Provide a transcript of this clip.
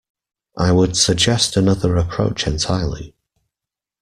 I would suggest another approach entirely.